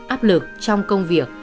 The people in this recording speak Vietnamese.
áp lực trong công việc